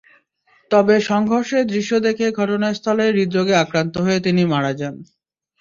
তবে সংঘর্ষের দৃশ্য দেখে ঘটনাস্থলেই হৃদরোগে আক্রান্ত হয়ে তিনি মারা যান।